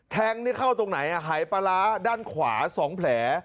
แทงนี่เข้าตรงไหนหายปลาร้าด้านขวา๒แผล